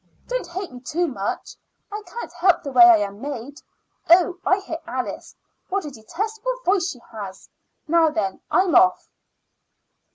Don't hate me too much; I can't help the way I am made. Oh; I hear Alice. What a detestable voice she has! Now then, I'm off."